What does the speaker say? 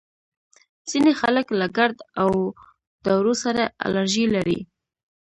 ځینې خلک له ګرد او دوړو سره الرژي لري